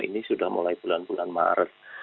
ini sudah mulai bulan bulan maret